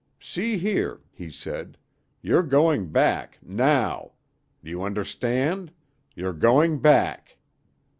"See here," he said, "you're going back now! Do you understand? You're going back!"